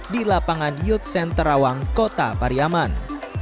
di lapangan youth center rawang kota pariamang